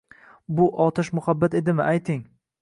Bu otash muhabbat edimi, ayting?